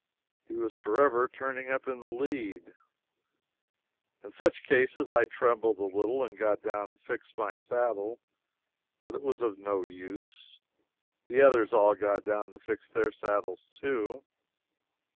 He was forever turning up in the lead. In such cases I trembled a little, and got down to fix my saddle. But it was not of any use. The others all got down to fix their saddles, too.